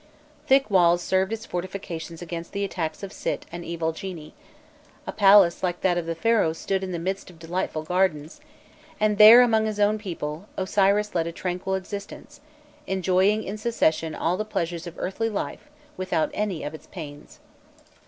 Thick walls served as fortifications against the attacks of Sit and evil genii; a palace like that of the Pharaohs stood in the midst of delightful gardens; and there, among his own people, Osiris led a tranquil existence, enjoying in succession all the pleasures of earthly life without any of its pains.